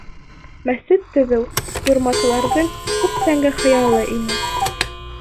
Мәсет төҙөү юрматыларҙың күптәнге хыялы ине.